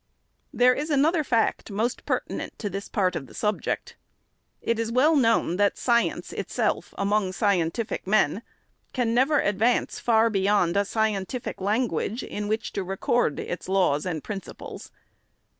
There is another fact, most pertinent to this part of the subject. It is well known that science itself, among scientific men, can never advance far beyond a scientific .language in which to record its laws and principles.